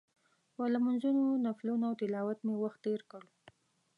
په لمونځونو، نفلونو او تلاوت مې وخت تېر کړ.